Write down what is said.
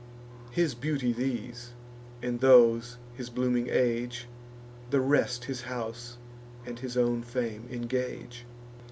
His beauty these, and those his blooming age, The rest his house and his own fame engage.